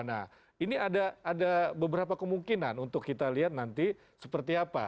nah ini ada beberapa kemungkinan untuk kita lihat nanti seperti apa